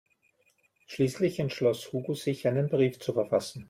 Schließlich entschloss Hugo sich, einen Brief zu verfassen.